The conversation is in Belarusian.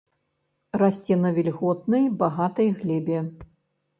Расце на вільготнай, багатай глебе.